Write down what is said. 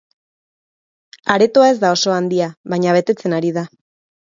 Aretoa ez da oso handia, baina betetzen ari da!